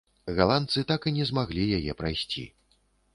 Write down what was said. Галандцы так і не змаглі яе прайсці.